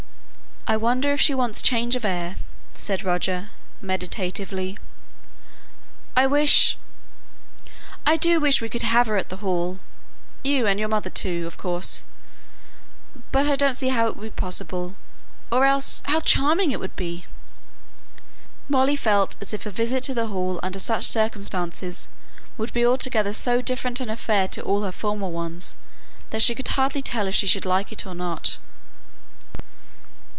"I wonder if she wants change of air?" said Roger, meditatively. "I wish I do wish we could have her at the Hall; you and your mother too, of course. But I don't see how it would be possible or else how charming it would be!" Molly felt as if a visit to the Hall under such circumstances would be altogether so different an affair to all her former ones, that she could hardly tell if she should like it or not.